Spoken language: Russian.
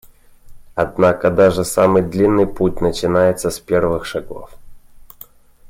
Однако даже самый длинный путь начинается с первых шагов.